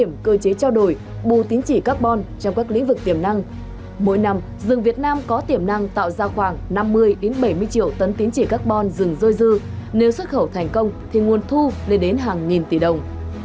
mỗi năm rừng việt nam có tiềm năng tạo ra khoảng năm mươi bảy mươi triệu tấn tiến trị carbon rừng dôi dư nếu xuất khẩu thành công thì nguồn thu lên đến hàng nghìn tỷ đồng